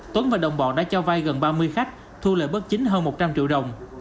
tuấn và đồng bọn đã cho vay gần ba mươi khách thu lợi bất chính hơn một trăm linh triệu đồng